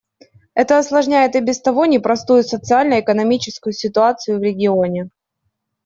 Это осложняет и без того непростую социально-экономическую ситуацию в регионе.